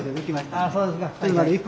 ああそうですか。